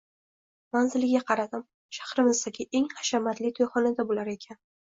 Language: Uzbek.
Manziliga qaradim, shahrimizdagi eng hashamatli to`yxonada bo`lar ekan